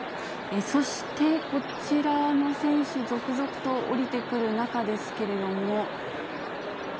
そして、こちらの選手、続々と降りてくる中ですけれども。